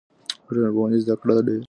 د ټولنپوهنې زده کړه ډېره ګټوره ده.